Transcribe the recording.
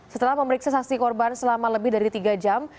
setelah memeriksa saksi korban selama lebih dari tiga jam